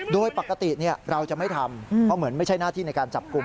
โดยปกติเราจะไม่ทำเพราะเหมือนไม่ใช่หน้าที่ในการจับกลุ่ม